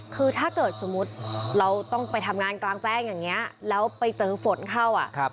คือถ้าเกิดสมมุติเราต้องไปทำงานกลางแจ้งอย่างนี้แล้วไปเจอฝนเข้า